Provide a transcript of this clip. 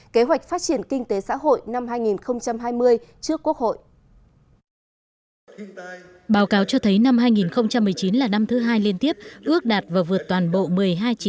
kế hoạch phát triển kinh tế xã hội năm hai nghìn hai mươi trước quốc hội